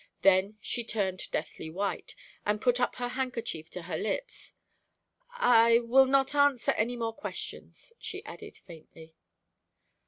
Then she turned deathly white, and put up her handkerchief to her lips. "I will not answer any more questions," she added, faintly.